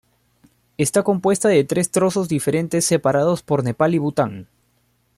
Está compuesta de tres trozos diferentes, separados por Nepal y Bután.